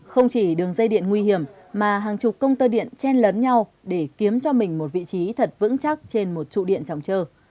không chỉ đường dây điện nguy hiểm mà hàng chục công tơ điện chen lấn nhau để kiếm cho mình một vị trí thật vững chắc trên một trụ điện tròng trơ